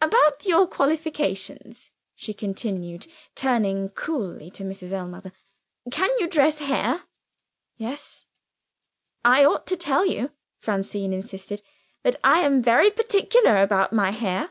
"About your qualifications?" she continued, turning coolly to Mrs. Ellmother. "Can you dress hair?" "Yes." "I ought to tell you," Francine insisted, "that I am very particular about my hair."